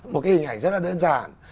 một cái hình ảnh rất là đơn giản